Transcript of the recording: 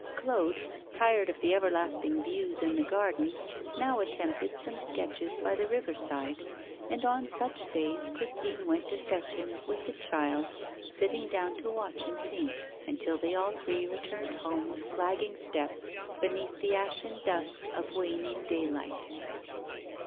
Claude, tired of the everlasting views in the garden, now attempted some sketches by the river side, and on such days Christine went to fetch him with the child, sitting down to watch him paint, until they all three returned home with flagging steps, beneath the ashen dusk of waning daylight.